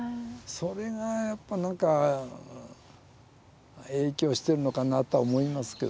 それがやっぱ何か影響してるのかなとは思いますけどね。